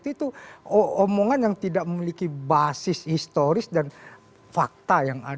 itu omongan yang tidak memiliki basis historis dan fakta yang ada